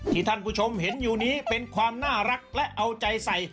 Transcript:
ที่ท่านผู้ชมเห็นอยู่นี้เป็นความน่ารักและเอาใจใส่